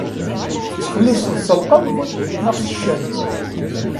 Tettxelliṣeḍ-t s lqebḍ neɣ s ccak?